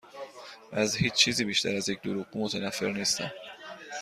از هیچ چیزی بیشتر از یک دروغگو متنفر نیستم.